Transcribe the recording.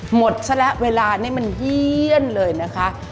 หมดซะแล้วเวลานี่มันเยี่ยนเลยนะคะ